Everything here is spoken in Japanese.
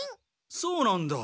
そうなんだ。